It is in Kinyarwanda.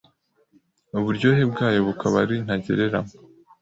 uburyohe bwayo bukaba ari ntagereranywa